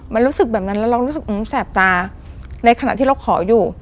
มันรู้สึกแบบนั้นแล้วเรารู้สึกแสบตาในขณะที่เราขออยู่